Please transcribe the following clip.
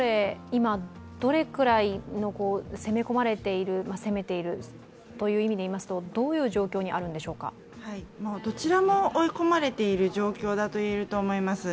今、どれくらいの攻め込まれている、攻めているという意味でいいますとどちらも追い込まれているという状況だと思います。